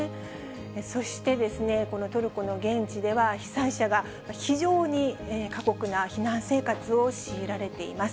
そして、このトルコの現地では、被害者が非常に過酷な避難生活を強いられています。